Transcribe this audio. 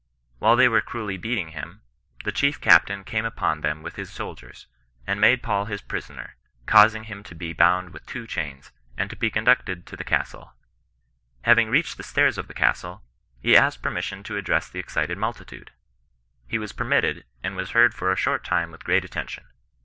While they were cruelly beat ing him, the chief captain came upon them with his soldiers, and made Paul his prisoner, causing him to be bound with two chains, and to be conducted to the castle. Salving readied the stairs of the castle^ he asked per* CHRISTIAN NON RESISTANCE. 69 mission to address the excited multitude. He was per mitted, and was heard for a short time with great atten tion.